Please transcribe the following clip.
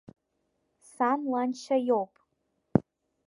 Сан ланшьа иоуп.